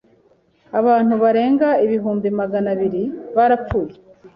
abantu barenga ibihumbi Magana abiri barapfuye